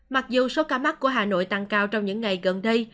mặc dù số ca mắc của hà nội tăng cao trong những ngày gần đây